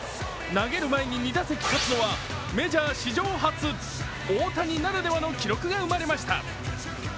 投げるまでに２打席立つのはメジャー史上初、大谷ならでの記録が生まれました。